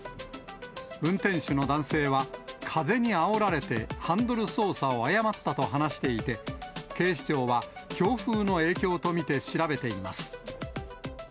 運転手の男性は、風にあおられてハンドル操作を誤ったと話していて、警視庁は強風の影響と見て調べています。